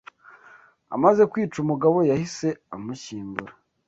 Amaze kwica umugabo we, yahise amushyingura